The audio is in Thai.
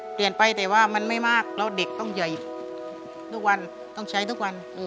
เปลี่ยนไปแต่ว่ามันไม่มากแล้วเด็กต้องเหยื่ออีกทุกวันต้องใช้ทุกวัน